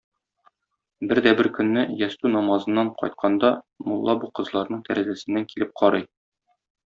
Бер дә бер көнне, ястү намазыннан кайтканда, мулла бу кызларның тәрәзәсеннән килеп карый.